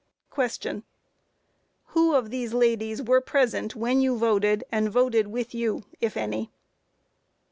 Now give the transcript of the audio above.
Q. Who of these ladies were present when you voted and voted with you, if any?